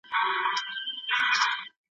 تسلي چا ته په دغه وخت کې ډېره ضروري ده؟